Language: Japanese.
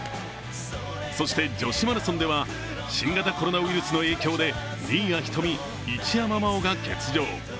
そして、女子マラソンでは新型コロナウイルスの影響で新谷仁美、一山麻緒が欠場。